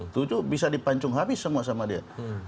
tujuh bisa dipancung habis semua sama dia